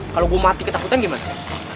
kalau gue mati ketakutan gimana